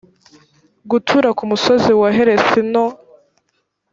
gutura ku musozi wa heresi no